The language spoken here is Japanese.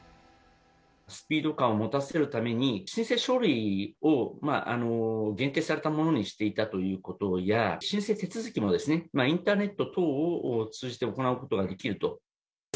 スピード感を持たせるために、申請書類を限定されたものにしていたということや、申請手続きもインターネット等を通じて行うことができると。